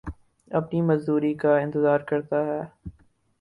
اپنی مزدوری کا انتظار کرتا ہے